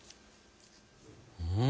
うん！